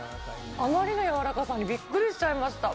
あまりの柔らかさにびっくりしちゃいました。